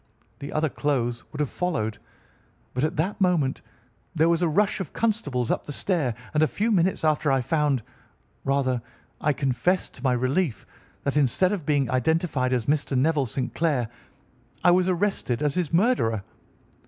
The other clothes would have followed, but at that moment there was a rush of constables up the stair, and a few minutes after I found, rather, I confess, to my relief, that instead of being identified as Mr. Neville St. Clair, I was arrested as his murderer.